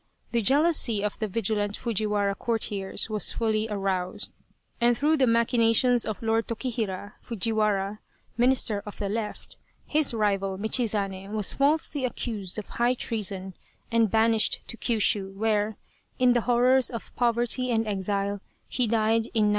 The jealousy of the vigilant Fuji wara courtiers was fully aroused, and through the machina tions of Lord Tokihira (Fujiwara), Minister of the Left, his rival, Michizane, was falsely accused of high treason and banished to Kiushiu where, in the horrors of poverty and exile, he died in 903.